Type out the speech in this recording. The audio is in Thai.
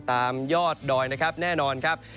ตามยอดดอยแน่นอนครับ